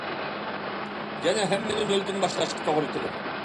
يەنى ھەممىنى نۆلدىن باشلاشقا توغرا كېلىدۇ.